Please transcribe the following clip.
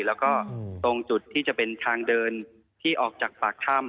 แล้วก็ตรงจุดที่จะเป็นทางเดินที่ออกจากปากถ้ำ